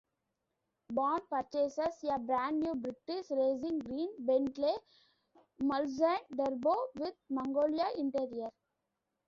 Bond purchases a brand new British racing green Bentley Mulsanne Turbo with magnolia interior.